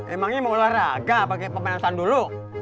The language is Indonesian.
emangnya mau olahraga pakai pemanasan dulu